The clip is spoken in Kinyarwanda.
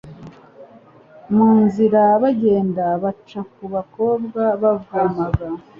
Mu nzira bagenda, baca ku bakobwa bavomaga,